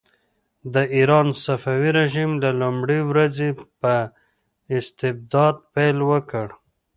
د ایران صفوي رژیم له لومړۍ ورځې په استبداد پیل وکړ.